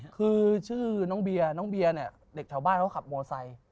คือชื่อน้องเบียร์เนี่ยเด็กแถวบ้านเขาขับโมไซ